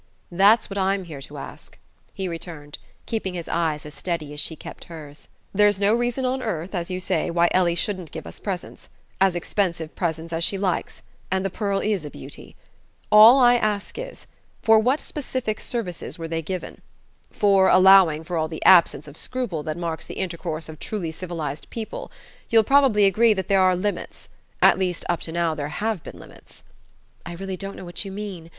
"That's what I'm here to ask," he returned, keeping his eyes as steady as she kept hers. "There's no reason on earth, as you say, why Ellie shouldn't give us presents as expensive presents as she likes; and the pearl is a beauty. All I ask is: for what specific services were they given? For, allowing for all the absence of scruple that marks the intercourse of truly civilized people, you'll probably agree that there are limits; at least up to now there have been limits...." "I really don't know what you mean.